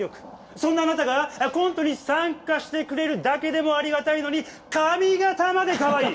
そんなあなたがコントに参加してくれるだけでもありがたいのに髪形までかわいい！